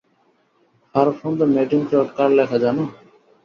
Fur from the madding crowd কার লেখা জান?